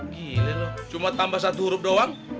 gili loh cuma tambah satu huruf doang